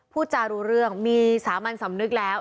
พูดจารู้เรื่องมีสามัญสำนึกแล้ว